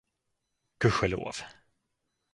Gud ske lov!